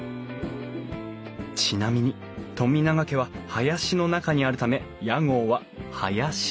ちなみに富永家は林の中にあるため屋号は「林」といいます